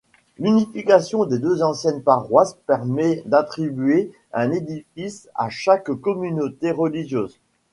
L’unification des deux anciennes paroisses permet d’attribuer un édifice à chaque communauté religieuse.